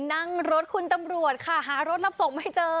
นั่งรถคุณตำรวจค่ะหารถรับส่งไม่เจอ